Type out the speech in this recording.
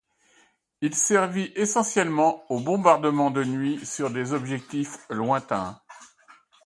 Il servit essentiellement au bombardement de nuit sur objectifs lointains.